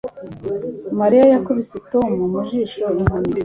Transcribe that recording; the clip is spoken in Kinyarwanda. Mariya yakubise Tom mu jisho inkoni